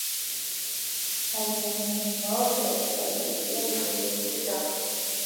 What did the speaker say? ამის აღსანიშნავად ფასადზე კიდია მემორიალური დაფა.